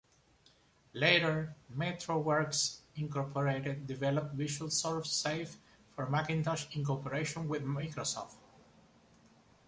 Later, Metrowerks, Incorporated developed Visual SourceSafe for Macintosh in cooperation with Microsoft.